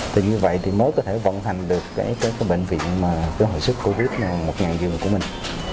thì như vậy mới có thể vận hành được cái bệnh viện hồi sức covid một mươi chín của mình